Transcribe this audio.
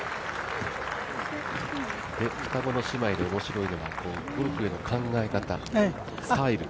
双子の姉妹で面白いのがゴルフへの考え方、スタイル。